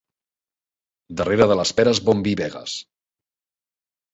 Darrere de les peres bon vi begues.